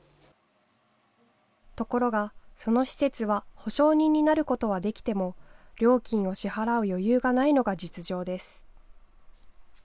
ところが、その施設は保証人になることはできても料金を支払う余裕がないのが実情です。